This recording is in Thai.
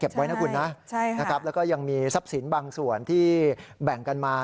ไว้นะคุณนะแล้วก็ยังมีทรัพย์สินบางส่วนที่แบ่งกันมา